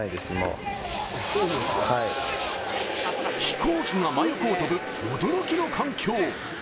飛行機が真横を飛ぶ驚きの環境。